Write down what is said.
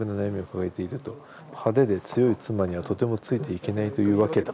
「はでで強い妻にはとてもついて行けないというわけだ」。